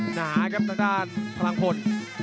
หนาครับทางด้านพลังพล